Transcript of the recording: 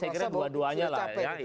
saya kira dua duanya lah ya